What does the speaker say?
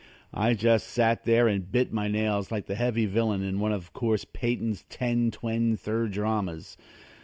I just sat there and bit my nails like the heavy villain in one of Corse Payton's ten, twen, thir dramas.